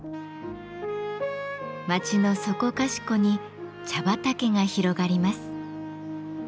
町のそこかしこに茶畑が広がります。